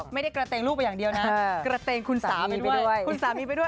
ไม่ได้กระเตงลูกไปอย่างเดียวนะกระเตงคุณสามีไปด้วย